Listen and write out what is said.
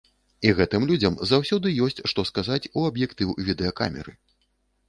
І гэтым людзям заўсёды ёсць што сказаць у аб'ектыў відэакамеры.